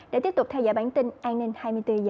để tiếp tục theo dõi bản tin an ninh hai mươi bốn h